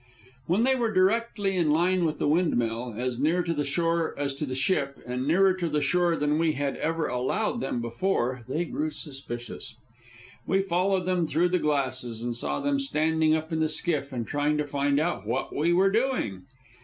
When they were directly in line with the windmill, as near to the shore as to the ship, and nearer the shore than we had ever allowed them before, they grew suspicious. We followed them through the glasses, and saw them standing up in the skiff and trying to find out what we were doing.